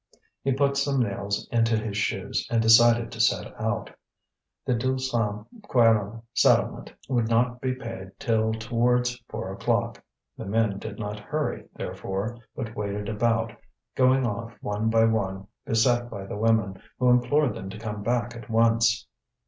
He put some nails into his shoes, and decided to set out. The Deux Cent Quarante settlement would not be paid till towards four o'clock. The men did not hurry, therefore, but waited about, going off one by one, beset by the women, who implored them to come back at once.